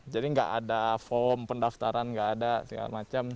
jadi nggak ada form pendaftaran nggak ada segala macam